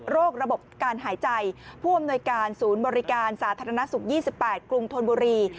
ระบบการหายใจผู้อำนวยการศูนย์บริการสาธารณสุข๒๘กรุงธนบุรี